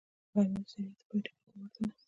غرمه د ستړیا د پای ټکي ته ورته ده